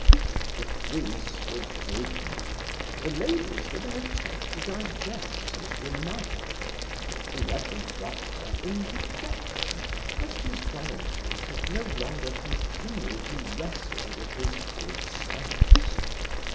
The three stood drooping: the ladies with an attempt to digest his remark; the Rev. Doctor in dejection lest his gallantry should no longer continue to wrestle with his good sense.